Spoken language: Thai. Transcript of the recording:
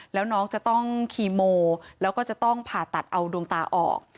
แล้วน้องจะต้องคีโมแล้วก็จะต้องผ่าตัดเอาดวงตาออก